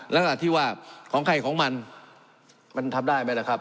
แล้วก็อธิบาลของใครของมันมันทำได้ไหมละครับ